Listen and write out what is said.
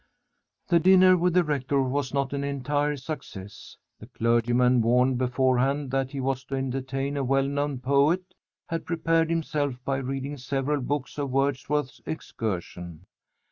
The dinner with the rector was not an entire success. The clergyman, warned beforehand that he was to entertain a well known poet, had prepared himself by reading several books of Wordsworth's Excursion.